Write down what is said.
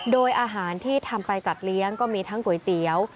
โดยอาหารที่ทำไปจัดเลี้ยงก็มีทั้งก๋วยเตี๋ยว